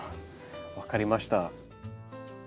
分かりました。